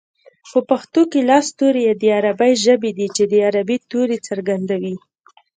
په پښتو کې لس توري د عربۍ ژبې دي چې د عربۍ توري څرګندوي